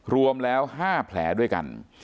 รวมแล้ว๕แผลด้วยกัน